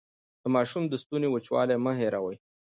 د ماشوم د ستوني وچوالی مه هېروئ.